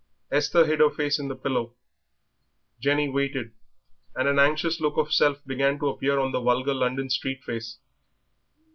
Esther hid her face in the pillow. Jenny waited, and an anxious look of self began to appear on the vulgar London street face.